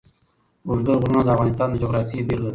اوږده غرونه د افغانستان د جغرافیې بېلګه ده.